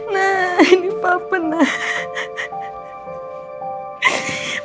nah ini papa nak